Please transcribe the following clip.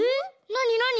なになに？